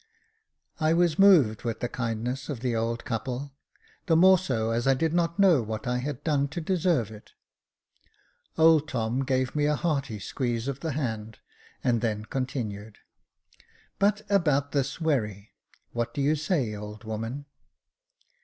I was moved with the kindness of the old couple ; the more so as I did not know what I had done to deserve it. Old Tom gave me a hearty squeeze of the hand, and then continued ;" But about this wherry — what do you say, old woman